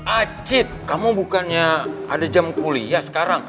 acid kamu bukannya ada jam kuliah sekarang